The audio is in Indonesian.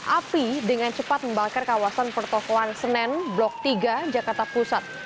api dengan cepat membakar kawasan pertokohan senen blok tiga jakarta pusat